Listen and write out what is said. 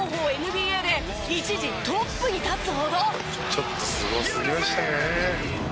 「ちょっとすごすぎましたね」